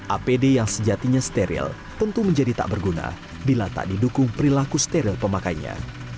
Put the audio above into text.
apd yang sejatinya steril tentu menjadi tak berguna bila tak didukung perilaku steril pemakainya